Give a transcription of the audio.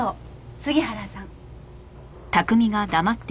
杉原さん。